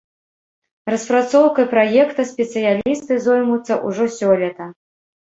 Распрацоўкай праекта спецыялісты зоймуцца ўжо сёлета.